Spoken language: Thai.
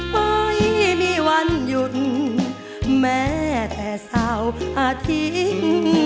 ไม่มีวันหยุดแม้แต่เสาร์อาทิตย์